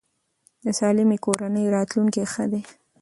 د سالمې کورنۍ راتلونکی ښه دی.